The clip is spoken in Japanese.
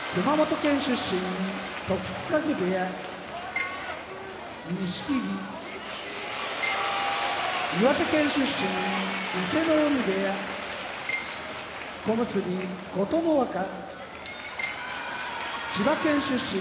時津風部屋錦木岩手県出身伊勢ノ海部屋小結・琴ノ若千葉県出身